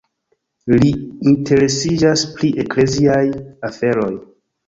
Li interesiĝas pri ekleziaj aferoj.